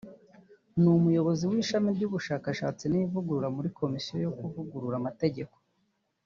ni Umuyobozi w’Ishami ry’Ubushakashatsi n’Ivugurura muri Komisiyo yo Kuvugurura Amategeko;